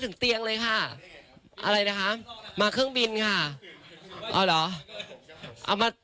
ถึงเตียงเลยค่ะอะไรนะคะมาเครื่องบินค่ะเอาเหรอเอามา